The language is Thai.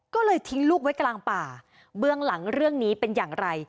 ก็เลยทิ้งลูกไว้กลางป่าเบื้องหลังเรื่องนี้เป็นอย่างไร